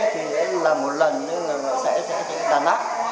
thì là một lần sẽ đàn áp